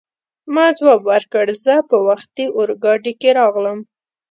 ما ځواب ورکړ: زه په وختي اورګاډي کې راغلم.